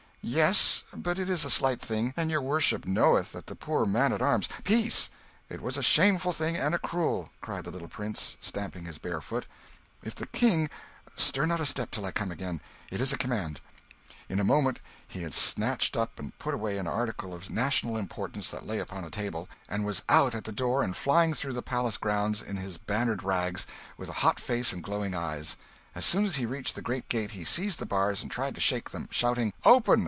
"Yes; but it is a slight thing, and your worship knoweth that the poor man at arms " "Peace! It was a shameful thing and a cruel!" cried the little prince, stamping his bare foot. "If the King Stir not a step till I come again! It is a command!" In a moment he had snatched up and put away an article of national importance that lay upon a table, and was out at the door and flying through the palace grounds in his bannered rags, with a hot face and glowing eyes. As soon as he reached the great gate, he seized the bars, and tried to shake them, shouting "Open!